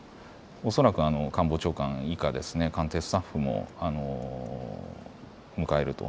おそらく官房長官以下、官邸スタッフも迎えると。